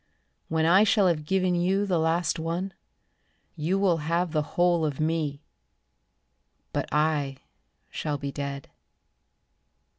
When I shall have given you the last one, You will have the whole of me, But I shall be dead.